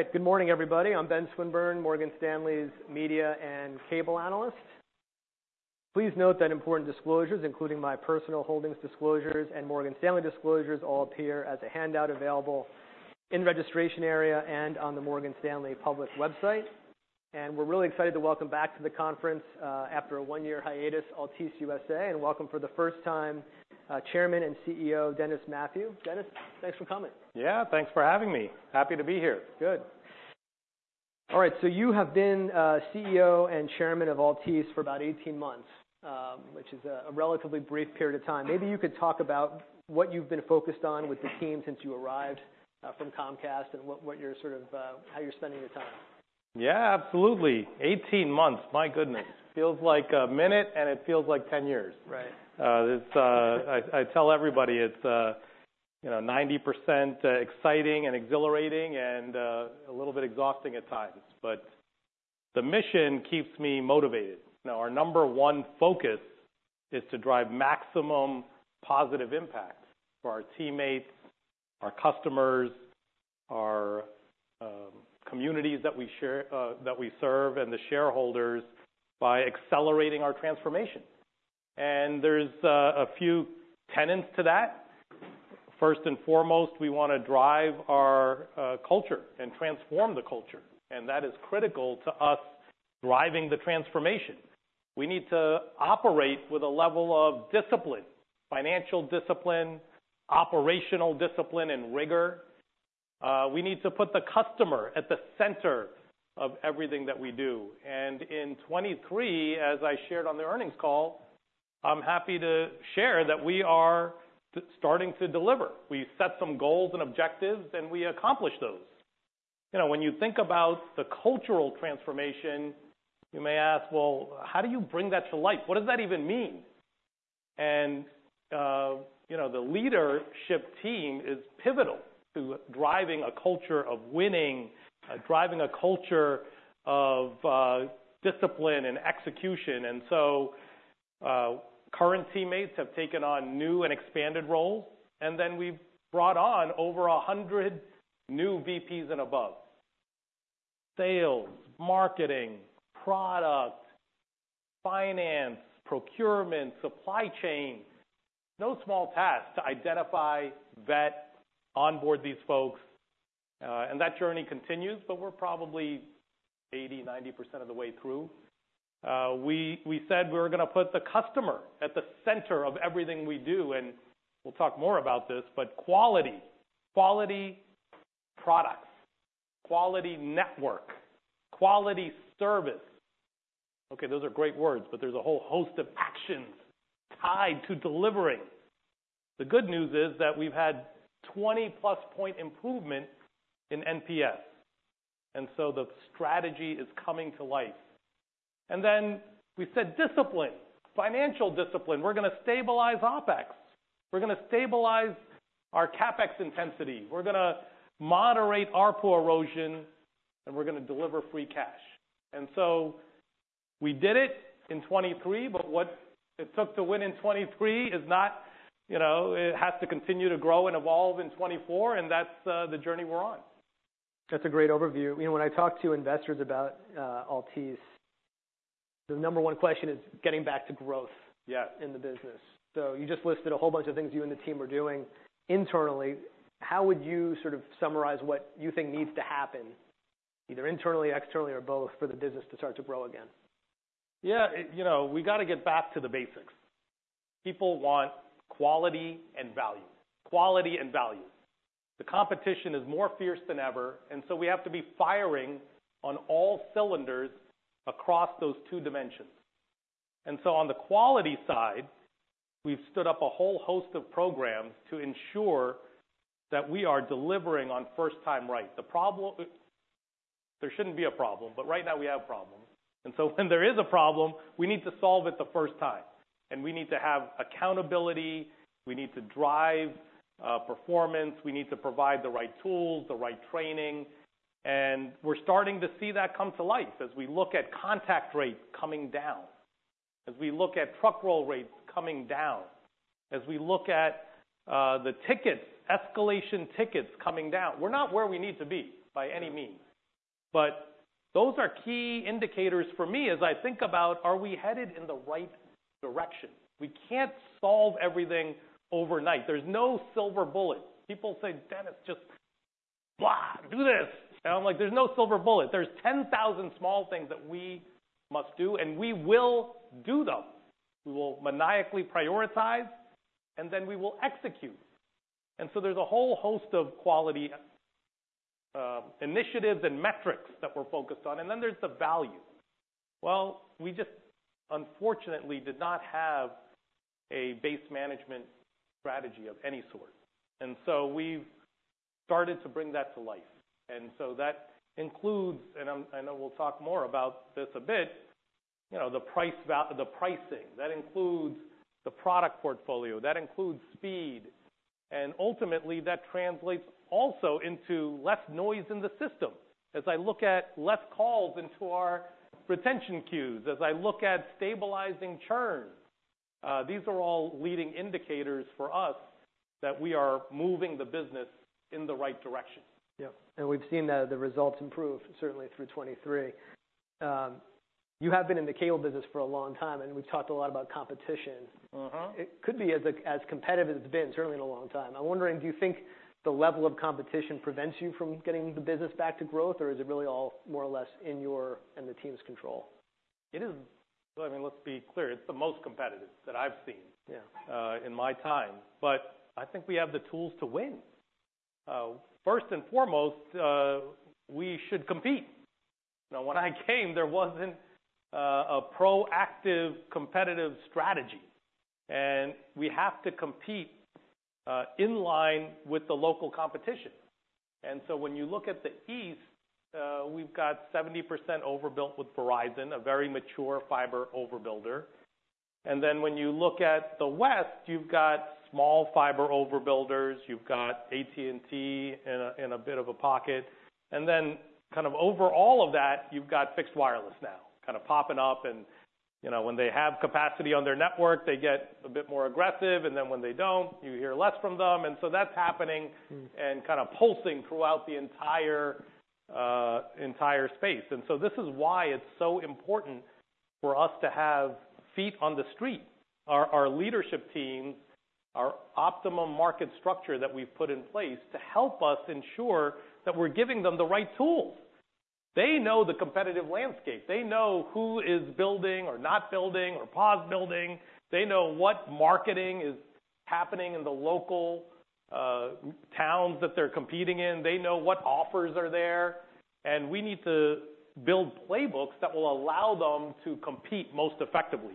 All right, good morning everybody. I'm Ben Swinburne, Morgan Stanley's media and cable analyst. Please note that important disclosures, including my personal holdings disclosures and Morgan Stanley disclosures, all appear as a handout available in the registration area and on the Morgan Stanley public website. We're really excited to welcome back to the conference, after a one-year hiatus, Altice USA, and welcome for the first time, Chairman and CEO Dennis Mathew. Dennis, thanks for coming. Yeah, thanks for having me. Happy to be here. Good. All right, so you have been CEO and Chairman of Altice for about 18 months, which is a relatively brief period of time. Maybe you could talk about what you've been focused on with the team since you arrived from Comcast, and what you're sort of how you're spending your time. Yeah, absolutely. 18 months, my goodness. Feels like a minute, and it feels like 10 years. Right. It's. I tell everybody it's, you know, 90% exciting and exhilarating and a little bit exhausting at times. But the mission keeps me motivated. You know, our number one focus is to drive maximum positive impact for our teammates, our customers, our communities that we share that we serve, and the shareholders by accelerating our transformation. And there's a few tenets to that. First and foremost, we want to drive our culture and transform the culture. And that is critical to us driving the transformation. We need to operate with a level of discipline, financial discipline, operational discipline, and rigor. We need to put the customer at the center of everything that we do. And in 2023, as I shared on the earnings call, I'm happy to share that we are starting to deliver. We set some goals and objectives, and we accomplish those. You know, when you think about the cultural transformation, you may ask, well, how do you bring that to life? What does that even mean? And, you know, the leadership team is pivotal to driving a culture of winning, driving a culture of discipline and execution. And so, current teammates have taken on new and expanded roles. And then we've brought on over 100 new VPs and above. Sales, marketing, product, finance, procurement, supply chain, no small task to identify, vet, onboard these folks. And that journey continues, but we're probably 80%-90% of the way through. We said we were going to put the customer at the center of everything we do. And we'll talk more about this. But quality, quality products, quality network, quality service. Okay, those are great words, but there's a whole host of actions tied to delivering. The good news is that we've had 20+ point improvement in NPS. So the strategy is coming to life. Then we said discipline, financial discipline. We're going to stabilize OpEx. We're going to stabilize our CapEx intensity. We're going to moderate our subscriber erosion. And we're going to deliver free cash. So we did it in 2023. But what it took to win in 2023 is not, you know, it has to continue to grow and evolve in 2024. And that's the journey we're on. That's a great overview. You know, when I talk to investors about Altice, the number one question is getting back to growth. Yes. In the business. So you just listed a whole bunch of things you and the team are doing internally. How would you sort of summarize what you think needs to happen, either internally, externally, or both, for the business to start to grow again? Yeah, you know, we got to get back to the basics. People want quality and value, quality and value. The competition is more fierce than ever. And so we have to be firing on all cylinders across those two dimensions. And so on the quality side, we've stood up a whole host of programs to ensure that we are delivering on first time right. The problem there shouldn't be a problem. But right now, we have problems. And so when there is a problem, we need to solve it the first time. And we need to have accountability. We need to drive performance. We need to provide the right tools, the right training. And we're starting to see that come to life as we look at contact rate coming down, as we look at truck roll rates coming down, as we look at the tickets escalation tickets coming down. We're not where we need to be by any means. But those are key indicators for me as I think about, are we headed in the right direction? We can't solve everything overnight. There's no silver bullet. People say, Dennis, just blah, do this. And I'm like, there's no silver bullet. There's 10,000 small things that we must do. And we will do them. We will maniacally prioritize. And then we will execute. And so there's a whole host of quality initiatives and metrics that we're focused on. And then there's the value. Well, we just, unfortunately, did not have a base management strategy of any sort. And so we've started to bring that to life. And so that includes and I know we'll talk more about this a bit, you know, the pricing. That includes the product portfolio. That includes speed. Ultimately, that translates also into less noise in the system as I look at less calls into our retention queues, as I look at stabilizing churn. These are all leading indicators for us that we are moving the business in the right direction. Yep. We've seen the results improve, certainly, through 2023. You have been in the cable business for a long time. We've talked a lot about competition. It could be as competitive as it's been, certainly, in a long time. I'm wondering, do you think the level of competition prevents you from getting the business back to growth? Or is it really all more or less in your and the team's control? It is, I mean, let's be clear. It's the most competitive that I've seen. Yeah. In my time. But I think we have the tools to win. First and foremost, we should compete. You know, when I came, there wasn't a proactive, competitive strategy. And we have to compete in line with the local competition. And so when you look at the east, we've got 70% overbuilt with Verizon, a very mature fiber overbuilder. And then when you look at the west, you've got small fiber overbuilders. You've got AT&T in a bit of a pocket. And then kind of over all of that, you've got fixed wireless now kind of popping up. And, you know, when they have capacity on their network, they get a bit more aggressive. And then when they don't, you hear less from them. And so that's happening and kind of pulsing throughout the entire, entire space. This is why it's so important for us to have feet on the street, our leadership teams, our Optimum market structure that we've put in place to help us ensure that we're giving them the right tools. They know the competitive landscape. They know who is building or not building or pause building. They know what marketing is happening in the local towns that they're competing in. They know what offers are there. We need to build playbooks that will allow them to compete most effectively.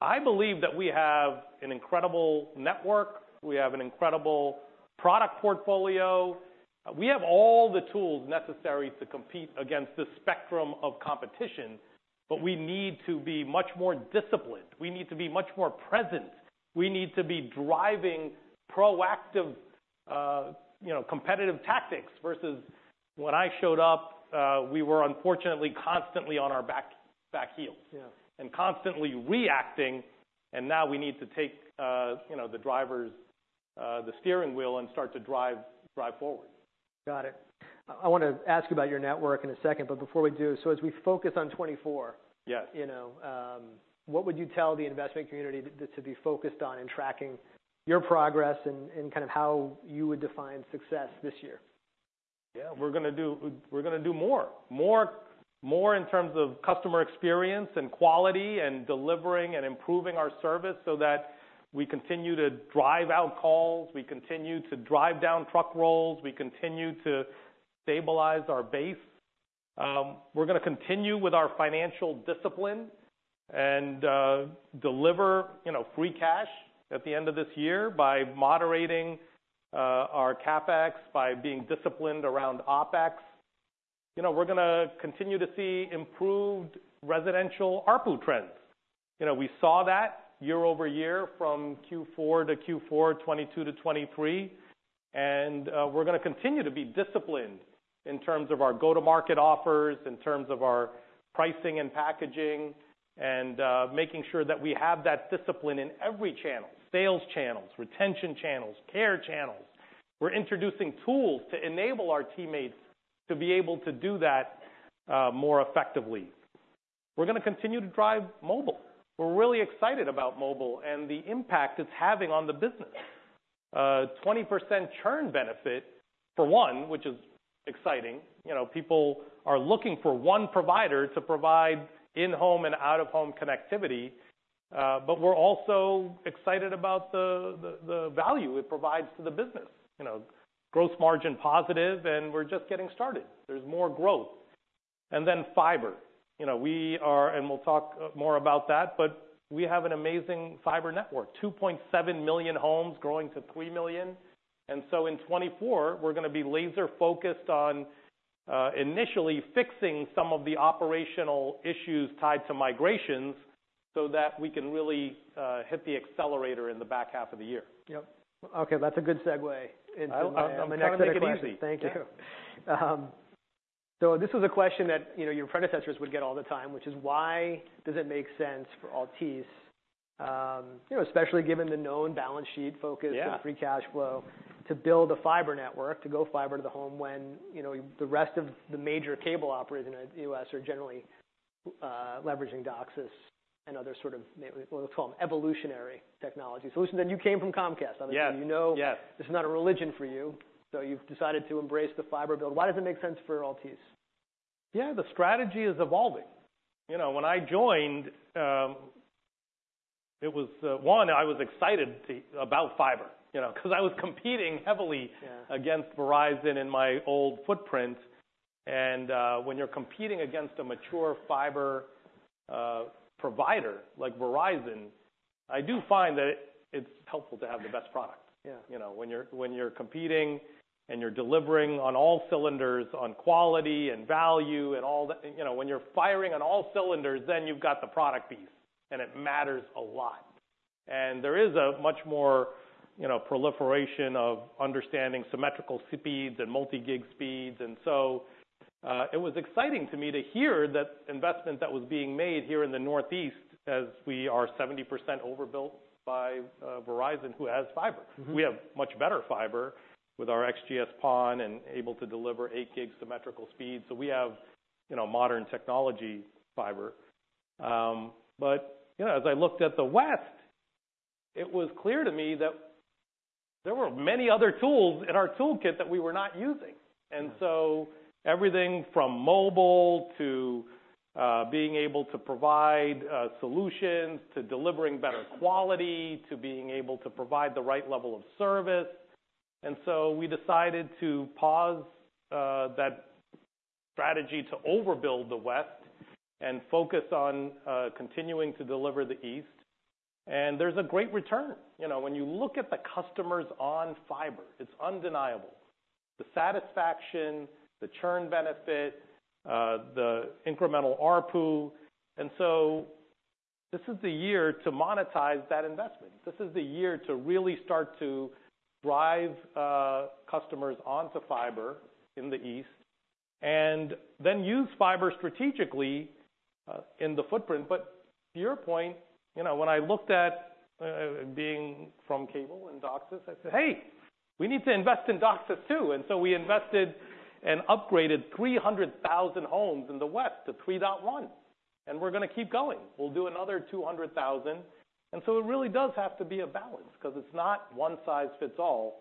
I believe that we have an incredible network. We have an incredible product portfolio. We have all the tools necessary to compete against this spectrum of competition. But we need to be much more disciplined. We need to be much more present. We need to be driving proactive, you know, competitive tactics versus when I showed up, we were, unfortunately, constantly on our back heels. Yeah. Constantly reacting. Now we need to take, you know, the driver's, the steering wheel and start to drive, drive forward. Got it. I want to ask you about your network in a second. But before we do, so as we focus on 2024. Yes. You know, what would you tell the investment community to be focused on in tracking your progress and kind of how you would define success this year? Yeah, we're going to do we're going to do more, more, more in terms of customer experience and quality and delivering and improving our service so that we continue to drive out calls. We continue to drive down truck rolls. We continue to stabilize our base. We're going to continue with our financial discipline and deliver, you know, free cash at the end of this year by moderating our CapEx, by being disciplined around OpEx. You know, we're going to continue to see improved residential ARPU trends. You know, we saw that year-over-year from Q4 to Q4, 2022 to 2023. And we're going to continue to be disciplined in terms of our go-to-market offers, in terms of our pricing and packaging, and making sure that we have that discipline in every channel: sales channels, retention channels, care channels. We're introducing tools to enable our teammates to be able to do that, more effectively. We're going to continue to drive mobile. We're really excited about mobile and the impact it's having on the business. 20% churn benefit, for one, which is exciting. You know, people are looking for one provider to provide in-home and out-of-home connectivity. But we're also excited about the value it provides to the business, you know, gross margin positive. And we're just getting started. There's more growth. And then fiber. You know, we are and we'll talk more about that. But we have an amazing fiber network, 2.7 million homes growing to 3 million. And so in 2024, we're going to be laser-focused on, initially fixing some of the operational issues tied to migrations so that we can really, hit the accelerator in the back half of the year. Yep. OK, that's a good segue into my next interview. I'm going to make it easy. Thank you. So this was a question that, you know, your predecessors would get all the time, which is, why does it make sense for Altice, you know, especially given the known balance sheet focus and free cash flow, to build a fiber network, to go fiber to the home when, you know, the rest of the major cable operators in the U.S. are generally, leveraging DOCSIS and other sort of, well, let's call them evolutionary technology solutions. And you came from Comcast. I mean, you know this is not a religion for you. So you've decided to embrace the fiber build. Why does it make sense for Altice? Yeah, the strategy is evolving. You know, when I joined, it was, one, I was excited about fiber, you know, because I was competing heavily against Verizon in my old footprint. And, when you're competing against a mature fiber provider like Verizon, I do find that it's helpful to have the best product. Yeah. You know, when you're competing and you're delivering on all cylinders on quality and value and all that, you know, when you're firing on all cylinders, then you've got the product piece. It matters a lot. There is a much more, you know, proliferation of understanding symmetrical speeds and multi-gig speeds. So, it was exciting to me to hear that investment that was being made here in the Northeast as we are 70% overbuilt by Verizon, who has fiber. We have much better fiber with our XGS-PON and able to deliver 8 gig symmetrical speeds. So we have, you know, modern technology fiber. But, you know, as I looked at the west, it was clear to me that there were many other tools in our toolkit that we were not using. And so everything from mobile to being able to provide solutions to delivering better quality to being able to provide the right level of service. And so we decided to pause that strategy to overbuild the west and focus on continuing to deliver the east. And there's a great return. You know, when you look at the customers on fiber, it's undeniable: the satisfaction, the churn benefit, the incremental ARPU. And so this is the year to monetize that investment. This is the year to really start to drive customers onto fiber in the east and then use fiber strategically in the footprint. But to your point, you know, when I looked at being from cable and DOCSIS, I said, hey, we need to invest in DOCSIS, too. And so we invested and upgraded 300,000 homes in the west to 3.1. And we're going to keep going. We'll do another 200,000. And so it really does have to be a balance because it's not one size fits all.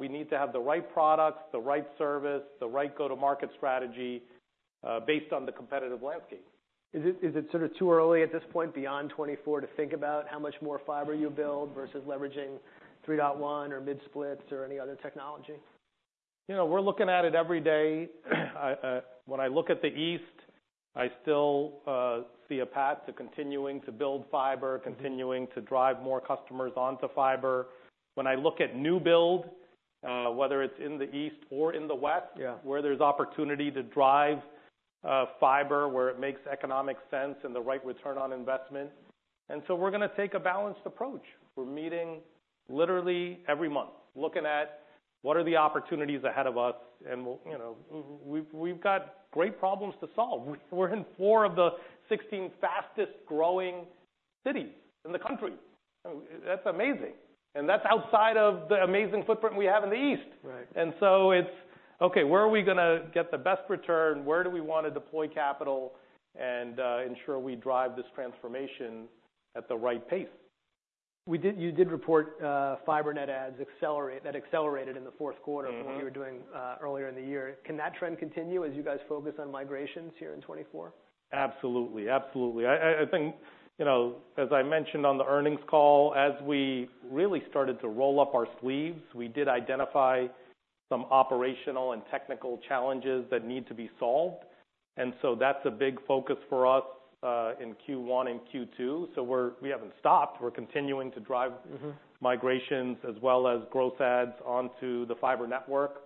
We need to have the right products, the right service, the right go-to-market strategy, based on the competitive landscape. Is it sort of too early at this point, beyond 2024, to think about how much more fiber you build versus leveraging 3.1 or mid-splits or any other technology? You know, we're looking at it every day. When I look at the east, I still see a path to continuing to build fiber, continuing to drive more customers onto fiber. When I look at new build, whether it's in the east or in the west, where there's opportunity to drive fiber, where it makes economic sense and the right return on investment. And so we're going to take a balanced approach. We're meeting literally every month, looking at what are the opportunities ahead of us. And we'll, you know, we've got great problems to solve. We're in 4 of the 16 fastest growing cities in the country. That's amazing. And that's outside of the amazing footprint we have in the east. Right. And so it's—okay, where are we going to get the best return? Where do we want to deploy capital and ensure we drive this transformation at the right pace? Did you report fiber net adds accelerated in the fourth quarter from what you were doing earlier in the year? Can that trend continue as you guys focus on migrations here in 2024? Absolutely. Absolutely. I, I think, you know, as I mentioned on the earnings call, as we really started to roll up our sleeves, we did identify some operational and technical challenges that need to be solved. And so that's a big focus for us, in Q1 and Q2. So we're—we haven't stopped. We're continuing to drive migrations as well as gross adds onto the fiber network.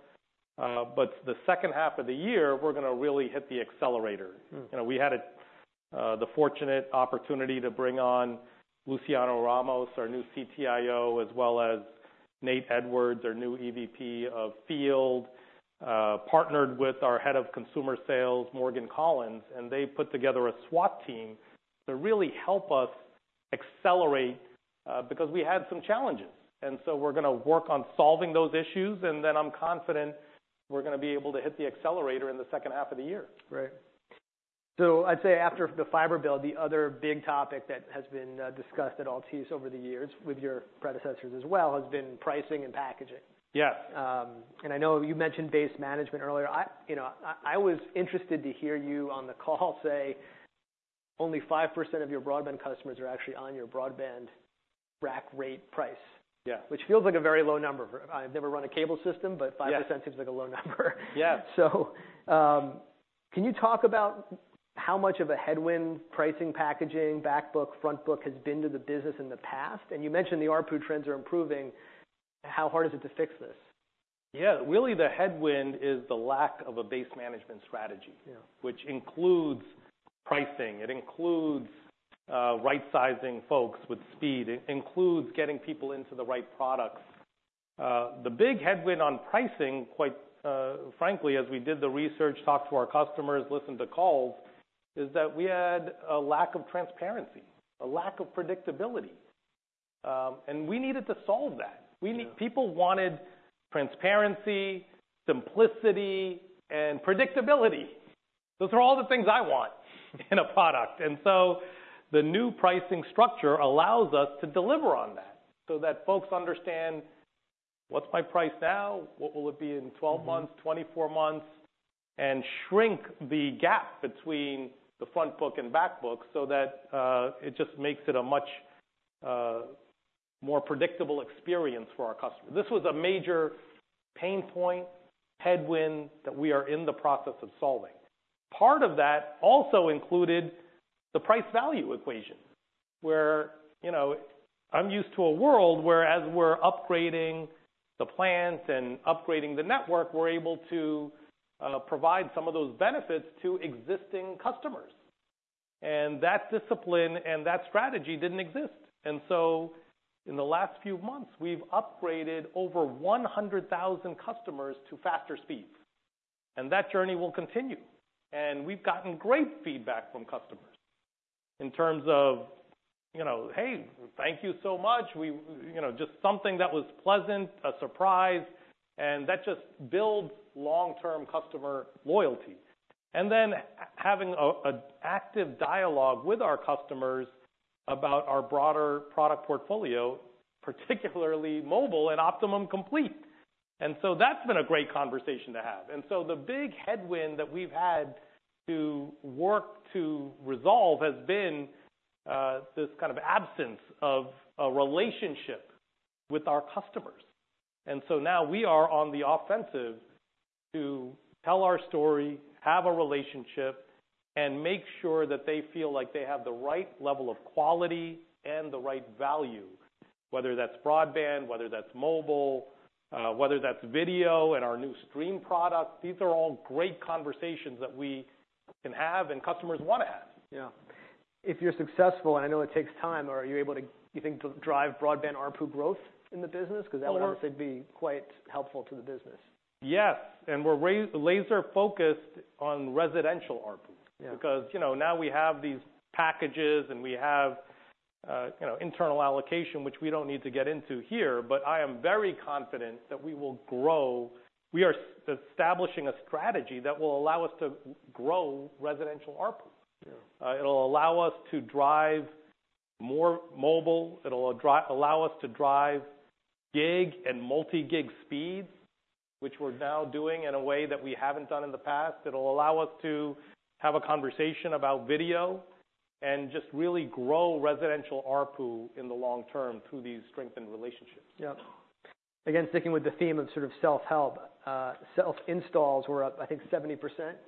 But the second half of the year, we're going to really hit the accelerator. You know, we had a, the fortunate opportunity to bring on Luciano Ramos, our new CTIO, as well as Nate Edwards, our new EVP of Field, partnered with our head of consumer sales, Morgan Collins. And they put together a SWAT team to really help us accelerate, because we had some challenges. And so we're going to work on solving those issues. I'm confident we're going to be able to hit the accelerator in the second half of the year. Right. So I'd say after the fiber build, the other big topic that has been discussed at Altice over the years with your predecessors as well has been pricing and packaging. Yes. And I know you mentioned base management earlier. I, you know, I was interested to hear you on the call say only 5% of your broadband customers are actually on your broadband rack rate price. Yeah. Which feels like a very low number. I've never run a cable system. But 5% seems like a low number. Yeah. So, can you talk about how much of a headwind pricing, packaging, backbook, frontbook has been to the business in the past? And you mentioned the ARPU trends are improving. How hard is it to fix this? Yeah, really, the headwind is the lack of a base management strategy, which includes pricing. It includes right-sizing folks with speed. It includes getting people into the right products. The big headwind on pricing, quite frankly, as we did the research, talked to our customers, listened to calls, is that we had a lack of transparency, a lack of predictability. And we needed to solve that. We need people wanted transparency, simplicity, and predictability. Those are all the things I want in a product. And so the new pricing structure allows us to deliver on that so that folks understand, what's my price now? What will it be in 12 months, 24 months? And shrink the gap between the frontbook and backbook so that it just makes it a much more predictable experience for our customers. This was a major pain point, headwind that we are in the process of solving. Part of that also included the price-value equation, where, you know, I'm used to a world where, as we're upgrading the plants and upgrading the network, we're able to provide some of those benefits to existing customers. And that discipline and that strategy didn't exist. And so in the last few months, we've upgraded over 100,000 customers to faster speeds. And that journey will continue. And we've gotten great feedback from customers in terms of, you know, hey, thank you so much. We, you know, just something that was pleasant, a surprise. And that just builds long-term customer loyalty. And then having an active dialogue with our customers about our broader product portfolio, particularly mobile and Optimum Complete. And so that's been a great conversation to have. The big headwind that we've had to work to resolve has been this kind of absence of a relationship with our customers. Now we are on the offensive to tell our story, have a relationship, and make sure that they feel like they have the right level of quality and the right value, whether that's broadband, whether that's mobile, whether that's video and our new Stream product. These are all great conversations that we can have and customers want to have. Yeah. If you're successful, and I know it takes time, are you able to, you think, drive broadband ARPU growth in the business? Because that would honestly be quite helpful to the business. Yes. We're laser-focused on residential ARPU because, you know, now we have these packages. We have, you know, internal allocation, which we don't need to get into here. I am very confident that we will grow. We are establishing a strategy that will allow us to grow residential ARPU. It'll allow us to drive more mobile. It'll allow us to drive gig and multi-gig speeds, which we're now doing in a way that we haven't done in the past. It'll allow us to have a conversation about video and just really grow residential ARPU in the long term through these strengthened relationships. Yep. Again, sticking with the theme of sort of self-help, self-installs were up, I think, 70%,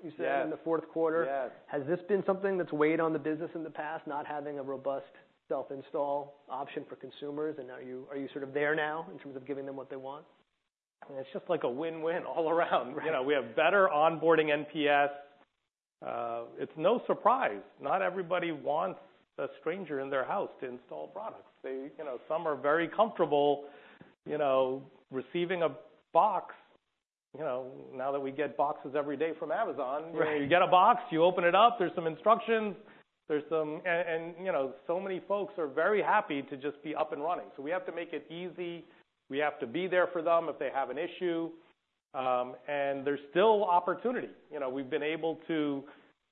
you said, in the fourth quarter. Yes. Has this been something that's weighed on the business in the past, not having a robust self-install option for consumers? And are you sort of there now in terms of giving them what they want? It's just like a win-win all around. You know, we have better onboarding NPS. It's no surprise. Not everybody wants a stranger in their house to install products. They, you know, some are very comfortable, you know, receiving a box, you know, now that we get boxes every day from Amazon. You get a box. You open it up. There's some instructions. There's some and, you know, so many folks are very happy to just be up and running. So we have to make it easy. We have to be there for them if they have an issue. There's still opportunity. You know, we've been able to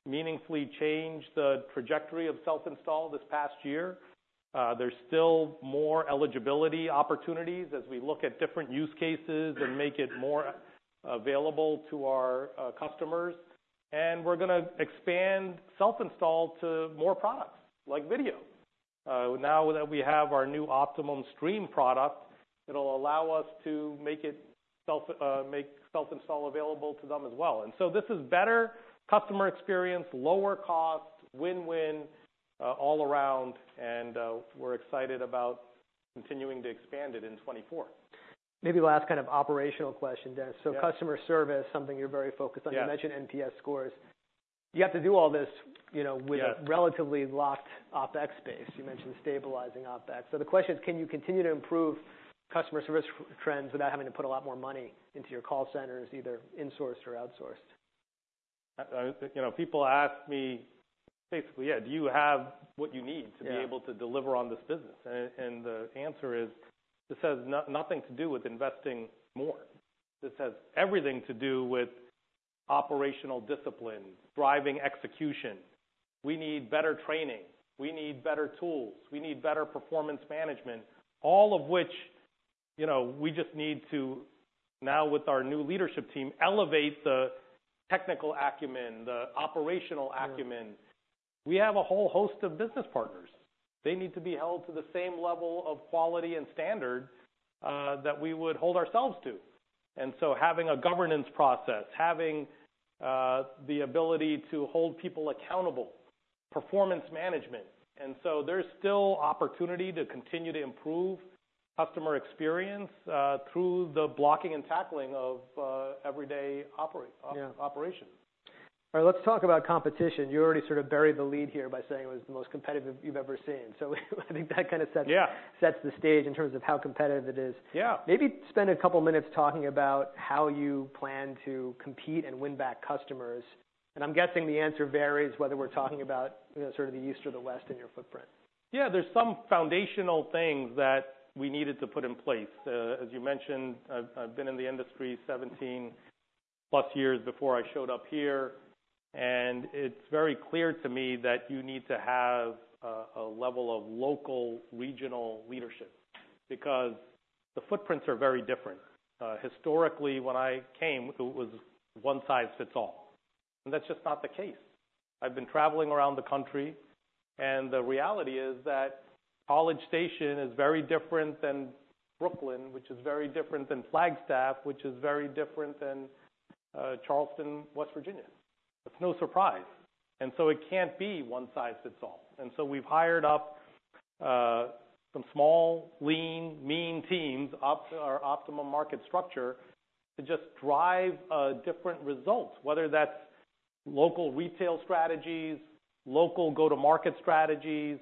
meaningfully change the trajectory of self-install this past year. There's still more eligibility opportunities as we look at different use cases and make it more available to our customers. We're going to expand self-install to more products like video. Now that we have our new Optimum Stream product, it'll allow us to make it self-install available to them as well. And so this is better customer experience, lower cost, win-win all around. And, we're excited about continuing to expand it in 2024. Maybe last kind of operational question, Dennis. So customer service, something you're very focused on. You mentioned NPS scores. You have to do all this, you know, with a relatively locked OpEx base. You mentioned stabilizing OPEX. So the question is, can you continue to improve customer service trends without having to put a lot more money into your call centers, either insourced or outsourced? You know, people ask me basically, yeah, do you have what you need to be able to deliver on this business? And the answer is, this has nothing to do with investing more. This has everything to do with operational discipline, driving execution. We need better training. We need better tools. We need better performance management, all of which, you know, we just need to now, with our new leadership team, elevate the technical acumen, the operational acumen. We have a whole host of business partners. They need to be held to the same level of quality and standard, that we would hold ourselves to. And so having a governance process, having, the ability to hold people accountable, performance management. And so there's still opportunity to continue to improve customer experience, through the blocking and tackling of, everyday operations. All right. Let's talk about competition. You already sort of buried the lead here by saying it was the most competitive you've ever seen. So I think that kind of sets the stage in terms of how competitive it is. Yeah. Maybe spend a couple of minutes talking about how you plan to compete and win back customers. I'm guessing the answer varies whether we're talking about sort of the east or the west in your footprint. Yeah, there's some foundational things that we needed to put in place. As you mentioned, I've been in the industry 17+ years before I showed up here. And it's very clear to me that you need to have a level of local, regional leadership because the footprints are very different. Historically, when I came, it was one size fits all. And that's just not the case. I've been traveling around the country. And the reality is that College Station is very different than Brooklyn, which is very different than Flagstaff, which is very different than Charleston, West Virginia. It's no surprise. And so it can't be one size fits all. And so we've hired up, some small, lean, mean teams up our Optimum market structure to just drive different results, whether that's local retail strategies, local go-to-market strategies,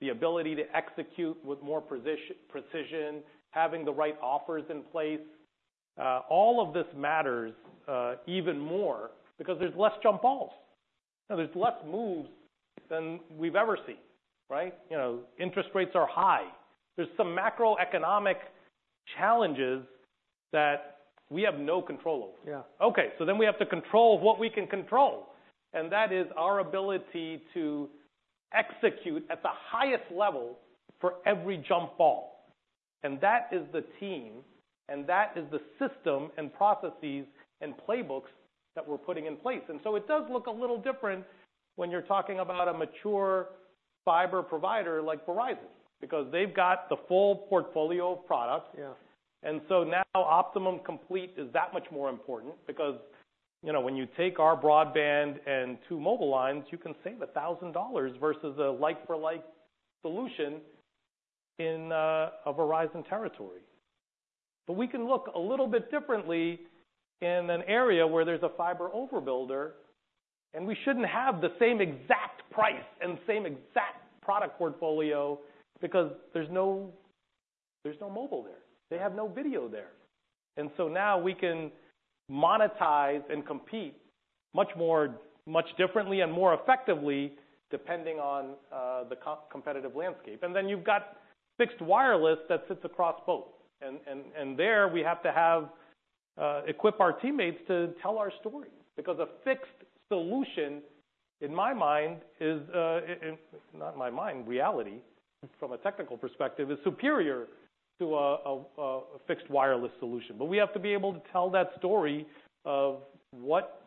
the ability to execute with more precision, having the right offers in place. All of this matters, even more because there's less jump balls. There's less moves than we've ever seen, right? You know, interest rates are high. There's some macroeconomic challenges that we have no control over. Yeah. Okay, so then we have to control what we can control. And that is our ability to execute at the highest level for every jump ball. And that is the team. And that is the system and processes and playbooks that we're putting in place. And so it does look a little different when you're talking about a mature fiber provider like Verizon because they've got the full portfolio of products. And so now Optimum Complete is that much more important because, you know, when you take our broadband and two mobile lines, you can save $1,000 versus a like-for-like solution in a Verizon territory. But we can look a little bit differently in an area where there's a fiber overbuilder. And we shouldn't have the same exact price and same exact product portfolio because there's no mobile there. They have no video there. So now we can monetize and compete much more, much differently and more effectively depending on the competitive landscape. And then you've got fixed wireless that sits across both. And there, we have to equip our teammates to tell our story because a fixed solution, in my mind, is not reality from a technical perspective, is superior to a fixed wireless solution. But we have to be able to tell that story of what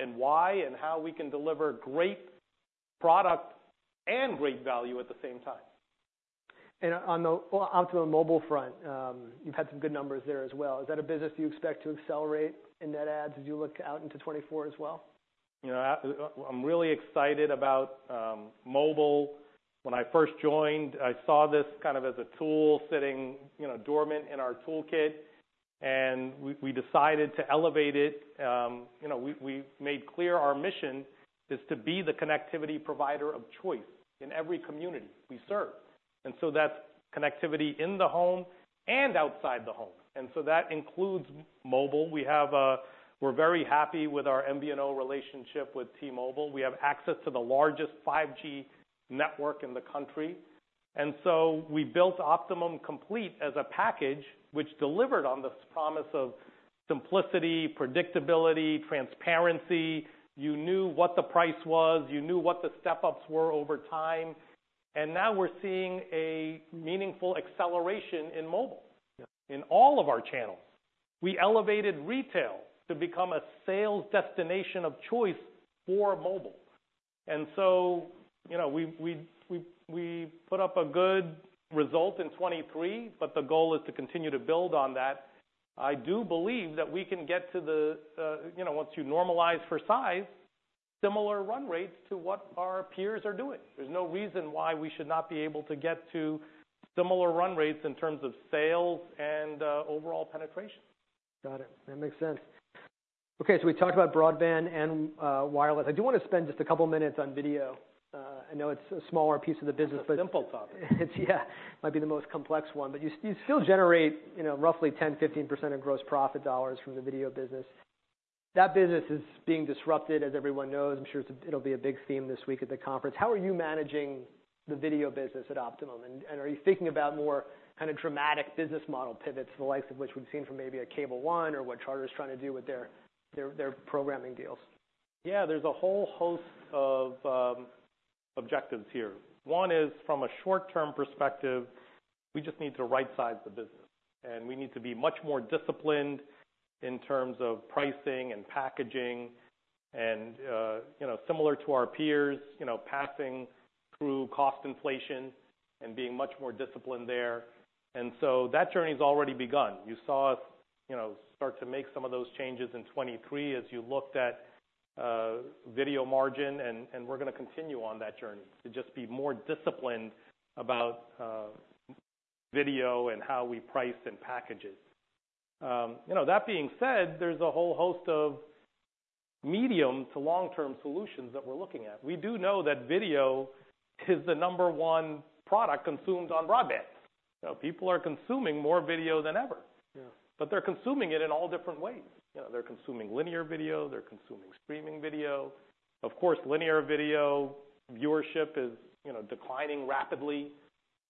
and why and how we can deliver great product and great value at the same time. On the Optimum Mobile front, you've had some good numbers there as well. Is that a business you expect to accelerate in net adds as you look out into 2024 as well? You know, I'm really excited about mobile. When I first joined, I saw this kind of as a tool sitting, you know, dormant in our toolkit. And we decided to elevate it. You know, we made clear our mission is to be the connectivity provider of choice in every community we serve. And so that's connectivity in the home and outside the home. And so that includes mobile. We're very happy with our MVNO relationship with T-Mobile. We have access to the largest 5G network in the country. And so we built Optimum Complete as a package, which delivered on the promise of simplicity, predictability, transparency. You knew what the price was. You knew what the step-ups were over time. And now we're seeing a meaningful acceleration in mobile in all of our channels. We elevated retail to become a sales destination of choice for mobile. So, you know, we put up a good result in 2023. The goal is to continue to build on that. I do believe that we can get to the, you know, once you normalize for size, similar run rates to what our peers are doing. There's no reason why we should not be able to get to similar run rates in terms of sales and overall penetration. Got it. That makes sense. Okay, so we talked about broadband and wireless. I do want to spend just a couple of minutes on video. I know it's a smaller piece of the business. It's a simple topic. Yeah, it might be the most complex one. But you still generate, you know, roughly 10%-15% of gross profit dollars from the video business. That business is being disrupted, as everyone knows. I'm sure it'll be a big theme this week at the conference. How are you managing the video business at Optimum? And are you thinking about more kind of dramatic business model pivots, the likes of which we've seen from maybe a Cable One or what Charter is trying to do with their programming deals? Yeah, there's a whole host of objectives here. One is, from a short-term perspective, we just need to right-size the business. And we need to be much more disciplined in terms of pricing and packaging. And, you know, similar to our peers, you know, passing through cost inflation and being much more disciplined there. And so that journey has already begun. You saw us, you know, start to make some of those changes in 2023 as you looked at video margin. And we're going to continue on that journey to just be more disciplined about video and how we price and package it. You know, that being said, there's a whole host of medium to long-term solutions that we're looking at. We do know that video is the number one product consumed on broadband. People are consuming more video than ever. But they're consuming it in all different ways. You know, they're consuming linear video. They're consuming streaming video. Of course, linear video viewership is declining rapidly.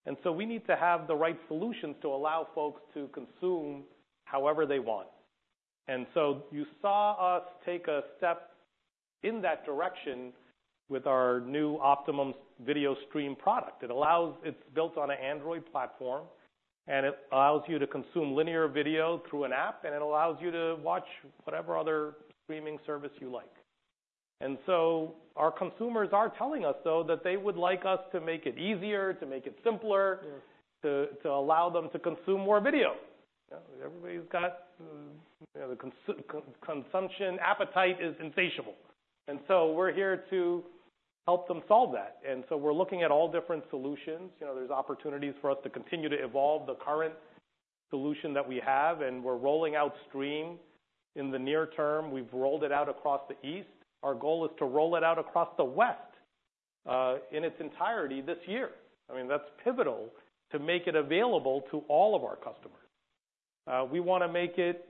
And so we need to have the right solutions to allow folks to consume however they want. And so you saw us take a step in that direction with our new Optimum Stream product. It allows. It's built on an Android platform. And it allows you to consume linear video through an app. And it allows you to watch whatever other streaming service you like. And so our consumers are telling us, though, that they would like us to make it easier, to make it simpler, to allow them to consume more video. Everybody's got the consumption appetite is insatiable. And so we're here to help them solve that. And so we're looking at all different solutions. You know, there's opportunities for us to continue to evolve the current solution that we have. And we're rolling out Stream in the near term. We've rolled it out across the east. Our goal is to roll it out across the west in its entirety this year. I mean, that's pivotal to make it available to all of our customers. We want to make it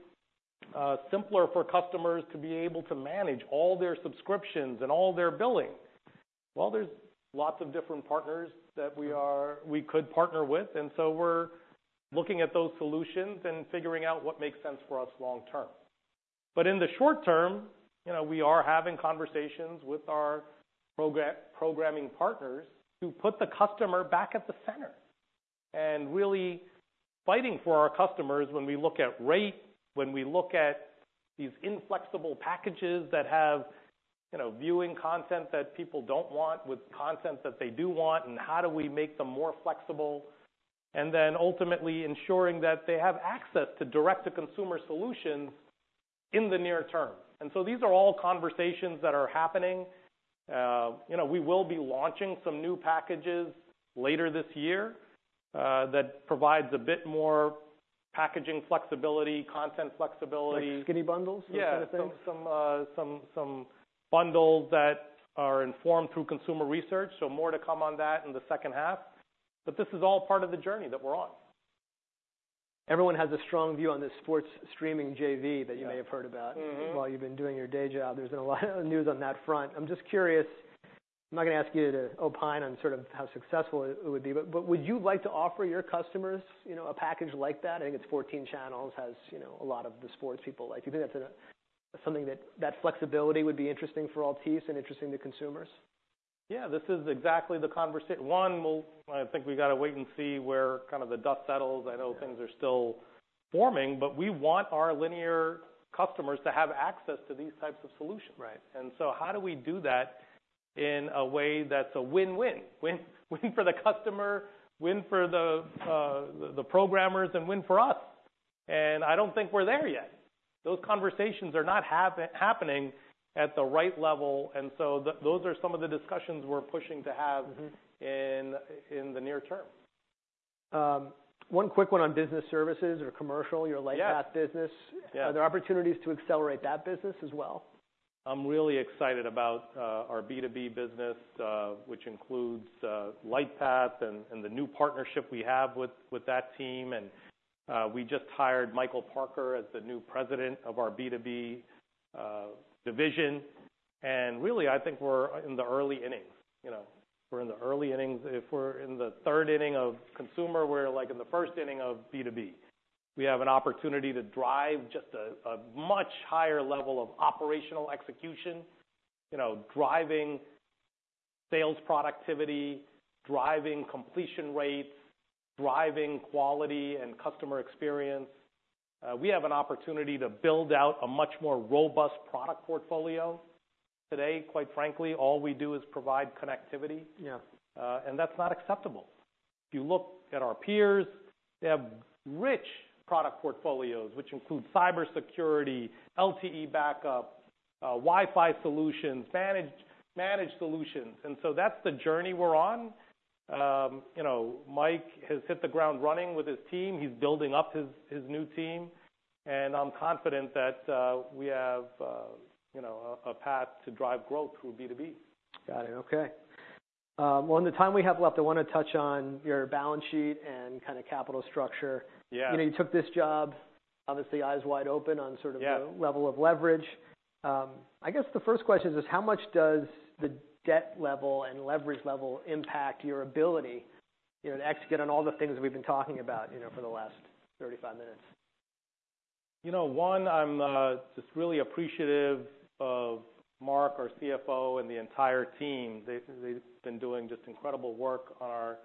simpler for customers to be able to manage all their subscriptions and all their billing. Well, there's lots of different partners that we could partner with. And so we're looking at those solutions and figuring out what makes sense for us long term. In the short term, you know, we are having conversations with our programming partners to put the customer back at the center and really fighting for our customers when we look at rate, when we look at these inflexible packages that have, you know, viewing content that people don't want with content that they do want, and how do we make them more flexible, and then ultimately ensuring that they have access to direct-to-consumer solutions in the near term. So these are all conversations that are happening. You know, we will be launching some new packages later this year that provide a bit more packaging flexibility, content flexibility. Like skinny bundles? Yeah, some bundles that are informed through consumer research. So more to come on that in the second half. But this is all part of the journey that we're on. Everyone has a strong view on this Sports Streaming JV that you may have heard about while you've been doing your day job. There's been a lot of news on that front. I'm just curious. I'm not going to ask you to opine on sort of how successful it would be. But would you like to offer your customers, you know, a package like that? I think it's 14 channels, has a lot of the sports people like. Do you think that's something that that flexibility would be interesting for all teams and interesting to consumers? Yeah, this is exactly the conversation. One, I think we've got to wait and see where kind of the dust settles. I know things are still forming. But we want our linear customers to have access to these types of solutions. And so how do we do that in a way that's a win-win? Win for the customer, win for the programmers, and win for us. And I don't think we're there yet. Those conversations are not happening at the right level. And so those are some of the discussions we're pushing to have in the near term. One quick one on business services or commercial, your Lightpath business. Are there opportunities to accelerate that business as well? I'm really excited about our B2B business, which includes Lightpath and the new partnership we have with that team. We just hired Michael Parker as the new president of our B2B division. Really, I think we're in the early innings. You know, we're in the early innings. If we're in the third inning of consumer, we're like in the first inning of B2B. We have an opportunity to drive just a much higher level of operational execution, you know, driving sales productivity, driving completion rates, driving quality and customer experience. We have an opportunity to build out a much more robust product portfolio. Today, quite frankly, all we do is provide connectivity. Yeah, and that's not acceptable. If you look at our peers, they have rich product portfolios, which include cybersecurity, LTE backup, Wi-Fi solutions, managed solutions. So that's the journey we're on. You know, Mike has hit the ground running with his team. He's building up his new team. And I'm confident that we have, you know, a path to drive growth through B2B. Got it. OK. Well, in the time we have left, I want to touch on your balance sheet and kind of capital structure. You know, you took this job, obviously, eyes wide open on sort of the level of leverage. I guess the first question is, how much does the debt level and leverage level impact your ability to execute on all the things we've been talking about for the last 35 minutes? You know, one, I'm just really appreciative of Marc, our CFO, and the entire team. They've been doing just incredible work on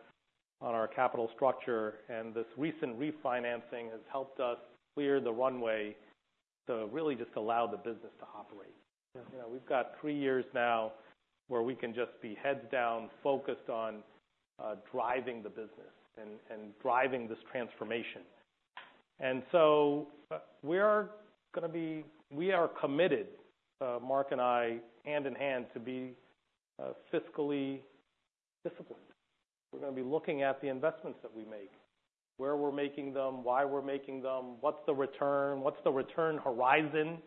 our capital structure. This recent refinancing has helped us clear the runway to really just allow the business to operate. You know, we've got three years now where we can just be heads down, focused on driving the business and driving this transformation. So we are going to be we are committed, Marc and I, hand in hand, to be fiscally disciplined. We're going to be looking at the investments that we make, where we're making them, why we're making them, what's the return, what's the return horizon.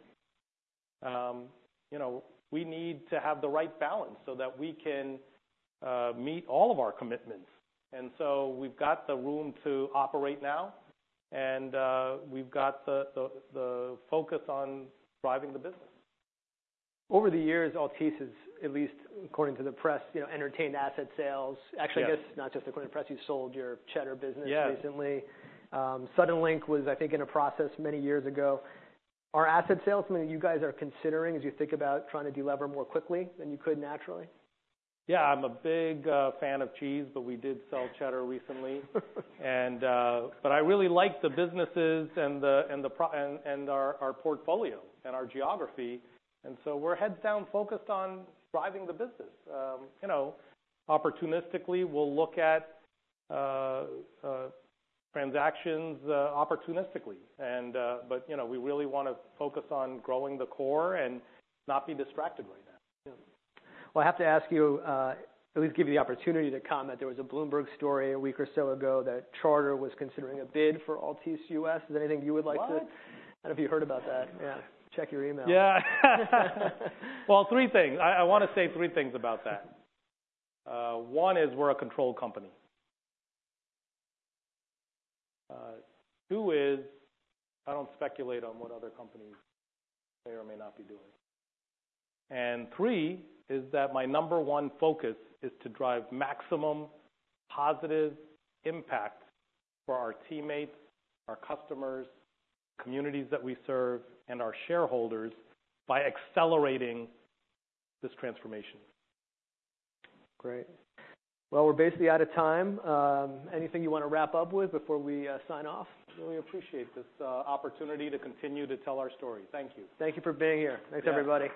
You know, we need to have the right balance so that we can meet all of our commitments. So we've got the room to operate now. We've got the focus on driving the business. Over the years, Altice has, at least according to the press, entertained asset sales. Actually, I guess not just according to the press. You sold your Cheddar business recently. Suddenlink was, I think, in a process many years ago. Are asset sales something that you guys are considering as you think about trying to deliver more quickly than you could naturally? Yeah, I'm a big fan of these. But we did sell Cheddar recently. But I really like the businesses and our portfolio and our geography. And so we're heads down focused on driving the business. You know, opportunistically, we'll look at transactions opportunistically. But, you know, we really want to focus on growing the core and not be distracted right now. Well, I have to ask you, at least give you the opportunity to comment. There was a Bloomberg story a week or so ago that Charter was considering a bid for Altice USA. Is there anything you would like to—I don't know if you heard about that. Yeah, check your email. Yeah. Well, three things. I want to say three things about that. One is we're a controlled company. Two is I don't speculate on what other companies may or may not be doing. And three is that my number one focus is to drive maximum positive impact for our teammates, our customers, communities that we serve, and our shareholders by accelerating this transformation. Great. Well, we're basically out of time. Anything you want to wrap up with before we sign off? Really appreciate this opportunity to continue to tell our story. Thank you. Thank you for being here. Thanks, everybody.